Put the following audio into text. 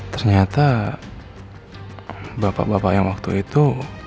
ternyata bapak bapak yang waktu itu